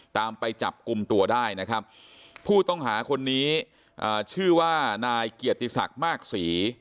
ตามไปจับกลุ่มตัวได้นะครับผู้ต้องหาคนนี้ชื่อว่านายเกียรติศักดิ์มากศรี